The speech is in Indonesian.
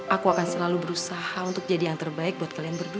aku akan selalu berusaha untuk jadi yang terbaik buat kalian berdua